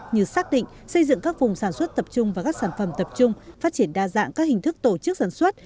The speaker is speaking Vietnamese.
như xác định xây dựng các vùng sản xuất tập trung và các sản phẩm tập trung phát triển đa dạng các hình thức tổ chức sản xuất